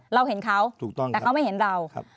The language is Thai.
เราเห็นเขาแต่เขาไม่เห็นเรา